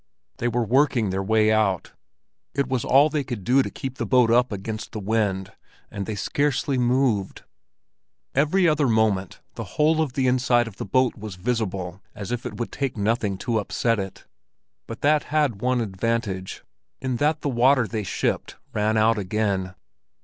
They were working their way out; it was all they could do to keep the boat up against the wind, and they scarcely moved. Every other moment the whole of the inside of the boat was visible, as if it would take nothing to upset it; but that had one advantage, in that the water they shipped ran out again.